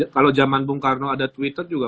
kalau zaman bung karno ada twitter juga